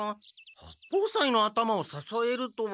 八方斎の頭をささえるとは？